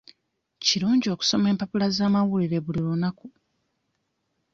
Kirungi okusoma empapula z'amawulire buli lunaku.